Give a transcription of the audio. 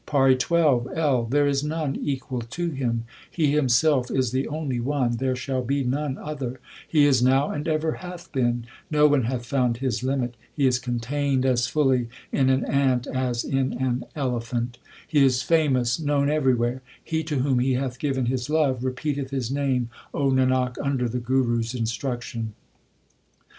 PAURI XII L. There is none equal to Him ; He Himself is the only one, there shall be none other ; He is now and ever hath been ; No one hath found His limit ; He is contained as fully in an ant as in an elephant ; He is famous, known everywhere : He to whom He hath given His love Repeateth His name, O Nanak, under the Guru s instruc tion.